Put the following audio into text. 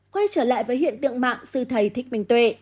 quay trở lại với hiện tượng mạng sư thầy thích minh tuệ